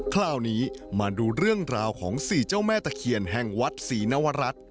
คราวนี้มาดูเรื่องราวของ๔เจ้าแม่ตะเคียนแห่งวัดศรีนวรัฐ